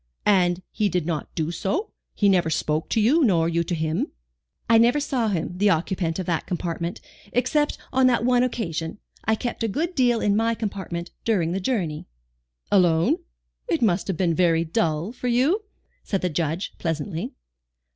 "And he did not do so? He never spoke to you, nor you to him?" "I never saw him, the occupant of that compartment, except on that one occasion. I kept a good deal in my compartment during the journey." "Alone? It must have been very dull for you," said the Judge, pleasantly.